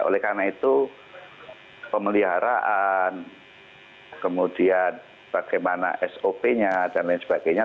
oleh karena itu pemeliharaan kemudian bagaimana sop nya dan lain sebagainya